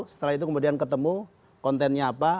setelah itu kemudian ketemu kontennya apa